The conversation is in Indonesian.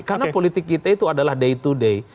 karena politik kita itu adalah day to day